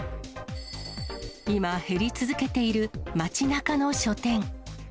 今、減り続けている街なかの書店。